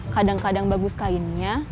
kadang kadang bagus kainnya